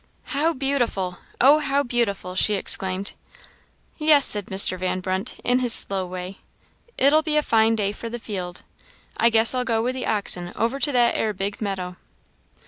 "How beautiful! Oh! how beautiful!" she, exclaimed. "Yes," said Mr. Van Brunt, in his slow way, "it'll be a fine day for the field. I guess I'll go with the oxen over to that 'ere big meadow."